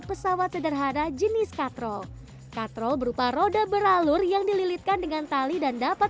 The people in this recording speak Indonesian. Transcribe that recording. pesawat sederhana jenis katrol katrol berupa roda beralur yang dililitkan dengan tali dan dapat